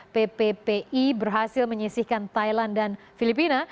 pppi berhasil menyisihkan thailand dan filipina